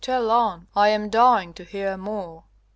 Tell on! I am dying to hear more.